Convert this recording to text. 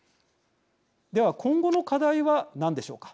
では今後の課題は何でしょうか。